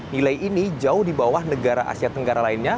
nilai ini jauh di bawah negara asia tenggara lainnya